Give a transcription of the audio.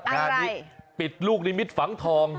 อันอะไรปิดลูกนิมิตฝังทอง